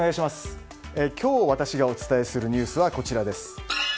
今日私がお伝えするニュースはこちらです。